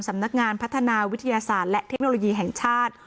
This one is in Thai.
สำนักงานพัฒนาวิทยาศาสตร์และเทคโนโลยีแห่งชาติ